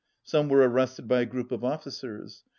Some were arrested by a group of officers.